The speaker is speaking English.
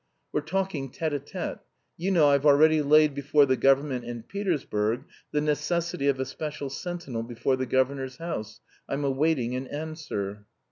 We're talking tête à tête. You know I've already laid before the government in Petersburg the necessity of a special sentinel before the governor's house. I'm awaiting an answer."